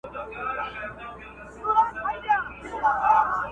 بس ور پاته دا یو نوم یو زوړ ټغر دی٫